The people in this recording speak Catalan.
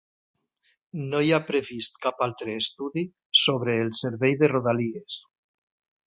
No hi ha previst cap altre estudi sobre el servei de rodalies.